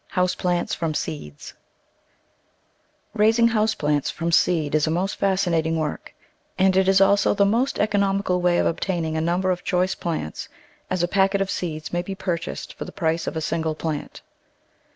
ou*e*plant* ^tom feeetis RAISING house plants from seed is a most fascinating work, and it is also the most economical way of obtaining a number of choice plants, as a packet of seeds may be purchased for the price of a single plant.